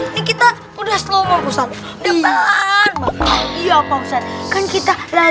ini kita udah slow pak ustaz